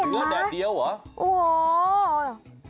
เนื้อแดดเดียวหรอ